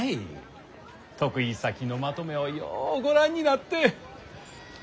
得意先のまとめをようご覧になって。